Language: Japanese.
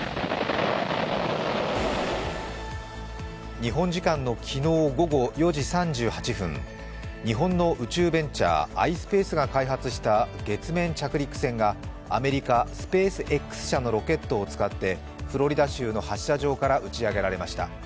日本時間の昨日午後４時３８分日本の宇宙ベンチャー・ｉｓｐａｃｅが開発した月面着陸船がアメリカ・スペースＸ社のロケットを使って、フロリダ州の発射場から打ち上げられました。